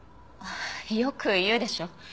よく言うでしょ。